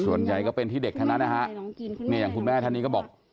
ส่วนใหญ่ก็เป็นที่เด็กทั้งนั้นนะฮะเนี่ยอย่างคุณแม่ท่านนี้ก็บอก